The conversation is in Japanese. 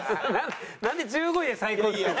なんで１５位で最高っつってる。